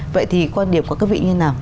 vậy thì quan điểm của quý vị như nào